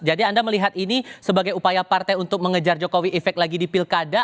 jadi anda melihat ini sebagai upaya partai untuk mengejar jokowi efek lagi di pilkada